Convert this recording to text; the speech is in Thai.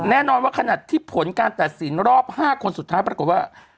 แน่นอนว่าขนาดที่ผลการตัดสินรอบ๕คนสุดท้ายปรากฏว่า